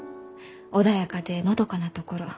穏やかでのどかなところ。